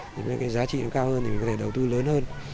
nếu cái giá trị nó cao hơn thì mình có thể đầu tư lớn hơn